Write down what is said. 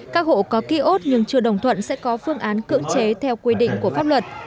các hộ có ký ốt nhưng chưa đồng thuận sẽ có phương án cưỡng chế theo quy định của pháp luật